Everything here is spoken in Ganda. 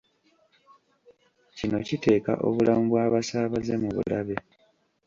Kino kiteeka obulamu bw'abasaabaze mu bulabe.